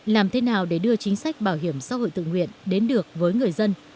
làm thế nào để đưa chính sách bảo hiểm xã hội tự nguyện đến được với người dân